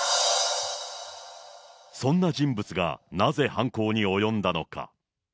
そんな人物が、なぜ犯行に及んだのか。